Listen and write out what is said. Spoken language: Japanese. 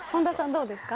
どうですか？